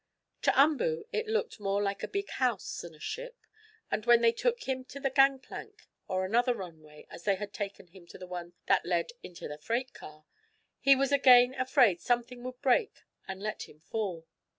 To Umboo it looked more like a big house than a ship, and when they took him to the gang plank, or another run way, as they had taken him to the one that led into the freight car, he was again afraid something would break and let him fall.